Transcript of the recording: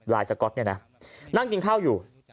สก๊อตเนี่ยนะนั่งกินข้าวอยู่